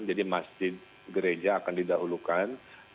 jadi masjid gereja akan didahulukan